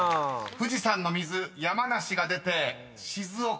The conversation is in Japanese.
［富士山の水「山梨」が出て「静岡」］